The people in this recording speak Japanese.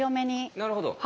なるほど。